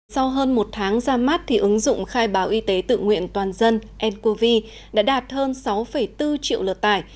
sau hơn một tháng ra mắt ứng dụng khai báo y tế tự nguyện toàn dân ncov đã đạt hơn sáu bốn triệu lượt tải